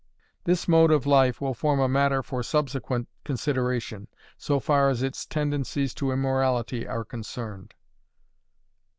This mode of life will form a matter for subsequent consideration, so far as its tendencies to immorality are concerned.